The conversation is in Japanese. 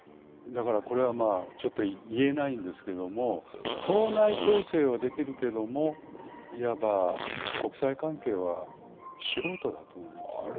これはちょっと言えないんですけど、党内調整はできるけれども、いわば国際関係は素人なので。